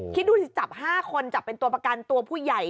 คิดดูสิจับ๕คนจับเป็นตัวประกันตัวผู้ใหญ่